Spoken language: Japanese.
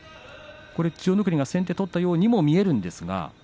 千代の国が先手を取ったようにも見えるんですが。